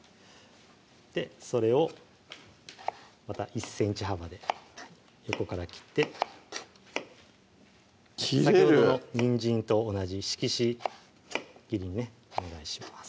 それをまた１ｃｍ幅で横から切って切れる先ほどのにんじんと同じ色紙切りにねお願いします